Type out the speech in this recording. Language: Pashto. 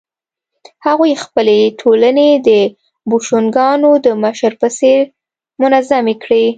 هغوی خپلې ټولنې د بوشونګانو د مشر په څېر منظمې کړې.